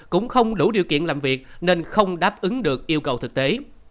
cũng không đủ điều kiện làm việc nên không đáp ứng được yêu cầu thực tế